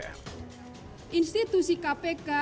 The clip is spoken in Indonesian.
kondisi tersebut menjadi pertimbangan